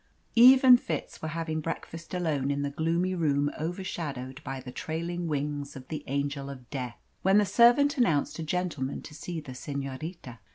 Eve and Fitz were having breakfast alone in the gloomy room overshadowed by the trailing wings of the Angel of Death, when the servant announced a gentleman to see the senorita.